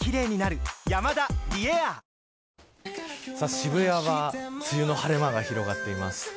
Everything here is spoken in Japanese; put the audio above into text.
渋谷は梅雨の晴れ間が広がっています。